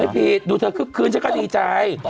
ผิดดูเธอคึกคืนฉันก็ดีใจ